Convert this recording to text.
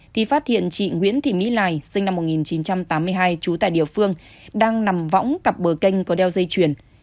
thì phát hiện chị nguyễn thị mỹ lài sinh năm một nghìn chín trăm tám mươi hai trú tại địa phương đang nằm võng cặp bờ kênh có đeo dây chuyền